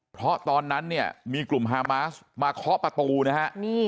เพราะตอนนั้นเนี่ยมีกลุ่มฮามาสมาเคาะประตูนะฮะ